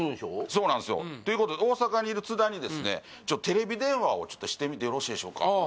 そうなんすよということで大阪にいる津田にですねテレビ電話をちょっとしてみてよろしいでしょうかああ